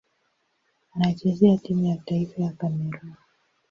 Anachezea timu ya taifa ya Kamerun.